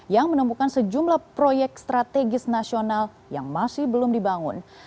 yang menemukan sejumlah proyek strategis nasional yang masih belum dibangun